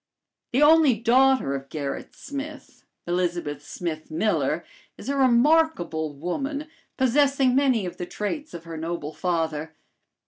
The only daughter of Gerrit Smith, Elizabeth Smith Miller, is a remarkable woman, possessing many of the traits of her noble father.